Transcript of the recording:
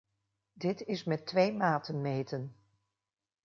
Dit is met twee maten meten.